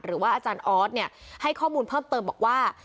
หรือว่าอาจารย์ออสเนี่ยให้ข้อมูลเพิ่มเติมบอกว่า